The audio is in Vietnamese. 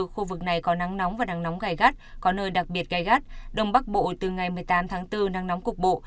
khu vực này có nắng nóng và nắng nóng gai gắt có nơi đặc biệt gai gắt đông bắc bộ từ ngày một mươi tám tháng bốn nắng nóng cục bộ